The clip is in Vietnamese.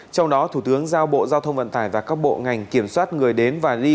trong đó thủ tướng giao bộ giao thông vận tải và các bộ ngành kiểm soát người đến và đi